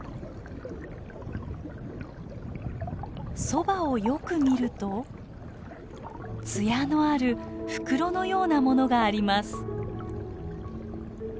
そばをよく見ると艶のある袋のようなものがあります。